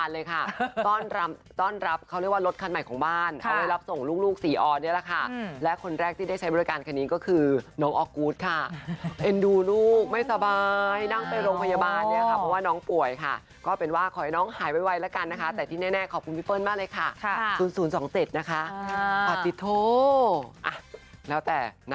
มันมองกันอยู่นะแม่เออออศูนย์ศูนย์ศูนย์ศูนย์ศูนย์ศูนย์ศูนย์ศูนย์ศูนย์ศูนย์ศูนย์ศูนย์ศูนย์ศูนย์ศูนย์ศูนย์ศูนย์ศูนย์ศูนย์ศูนย์ศูนย์ศูนย์ศูนย์ศูนย์ศูนย์ศูนย์ศูนย์ศูนย์ศูน